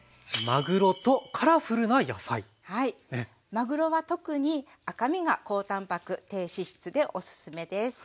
まぐろは特に赤身が高たんぱく低脂質でおすすめです。